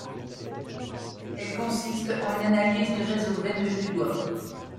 Elle consiste en une analyse du réseau veineux du doigt.